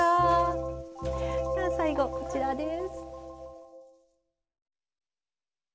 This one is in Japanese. では最後こちらです。